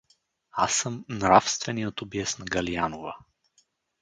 Аз съм нравственият убиец на Галианова.